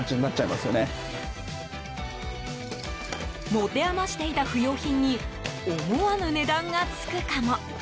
持て余していた不用品に思わぬ値段がつくかも。